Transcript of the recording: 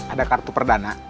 ada kartu perdana